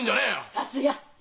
達也！